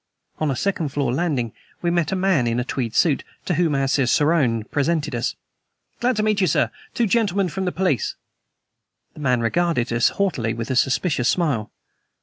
On a second floor landing we met a man in a tweed suit, to whom our cicerone presented us. "Glad I met you, sir. Two gentlemen from the police." The man regarded us haughtily with a suspicious smile.